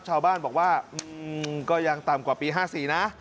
ชาวบ้านบอกว่าก็ยังต่ำกว่าปี๕๔นะ